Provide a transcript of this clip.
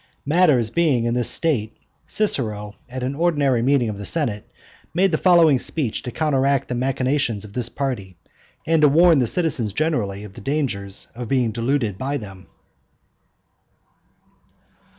Matters being in this state, Cicero, at an ordinary meeting of the senate, made the following speech to counteract the machinations of this party, and to warn the citizens generally of the danger of being deluded by them.